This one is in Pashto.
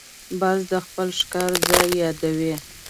باز د خپل ښکار ځای یادوي